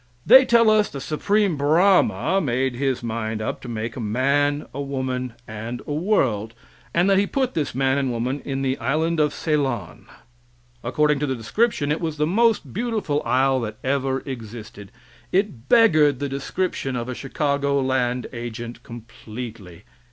They tell us the Supreme Brahma made up his mind to make a man, a woman, and a world; and that he put this man and woman in the island of Ceylon. According to the description, it was the most beautiful isle that ever existed; it beggared the description of a Chicago land agent completely.